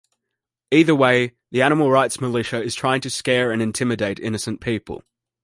Either way, the Animal Rights Militia is trying to scare and intimidate innocent people.